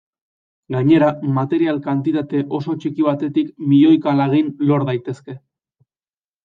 Gainera, material kantitate oso txiki batetik milioika lagin lor daitezke.